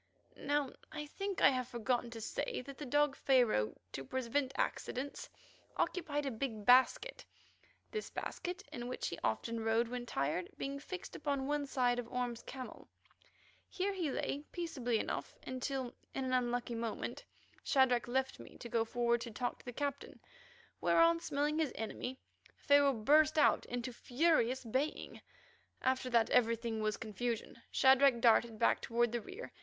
Now I think I have forgotten to say that the dog Pharaoh, to prevent accidents, occupied a big basket; this basket, in which he often rode when tired, being fixed upon one side of Orme's camel. Here he lay peaceably enough until, in an unlucky moment, Shadrach left me to go forward to talk to the Captain, whereon, smelling his enemy, Pharaoh burst out into furious baying. After that everything was confusion. Shadrach darted back toward the rear.